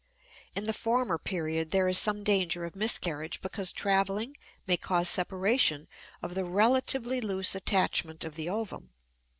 In the former period there is some danger of miscarriage because traveling may cause separation of the relatively loose attachment of the ovum.